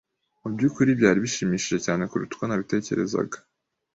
Mubyukuri byari bishimishije cyane kuruta uko nabitekerezaga.